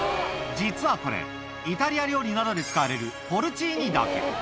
実はこれ、イタリア料理などで使われるポルチーニだけ。